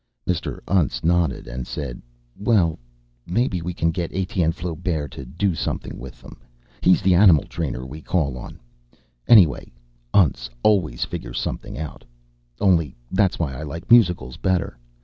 Mr. Untz nodded and said, "Well, maybe we can get Etienne Flaubert to do something with them. He's the animal trainer we call on. Anyway Untz always figures something out. Only that's why I like musicals better.